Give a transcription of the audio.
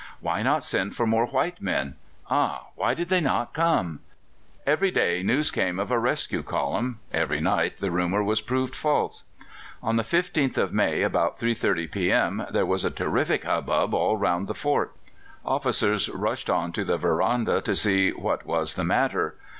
"Why not send for more white men?" Ah! why did they not come? Every day news came of a rescue column; every night the rumour was proved false. On the 15th of May, about 3.30 p.m., there was a terrific hubbub all round the fort. Officers rushed on to the veranda to see what was the matter.